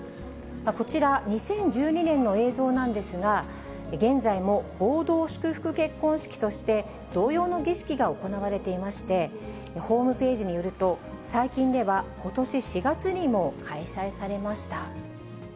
こちら、２０１２年の映像なんですが、現在も合同祝福結婚式として、同様の儀式が行われていまして、ホームページによると、最近ではことし４月にも開催されました。